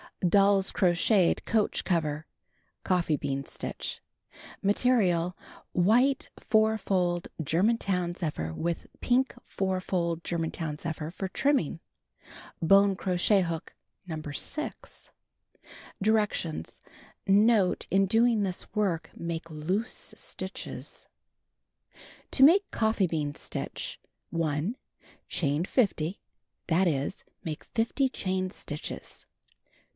The Magic Paper 239 DOLL'S CROCHETED COACH COVER (Coffee Bean Stitch) Material: White four fold German town zephyr with pmk four fold Ger mantown zephyr for trimming. Bone crochet hook, No. 6. Directions : Note. — In doing this work, make loose stitches. To Make Coffee Bean Stitch 1. Chain 50; that is, make 50 chain stitches.